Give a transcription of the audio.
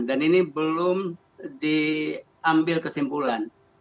dan ini belum diambil kesimpulan